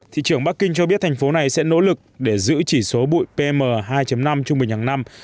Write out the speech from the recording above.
thị trưởng bắc kinh cho biết thành phố này sẽ nỗ lực để giữ chỉ số bụi pm hai năm trung bình hàng năm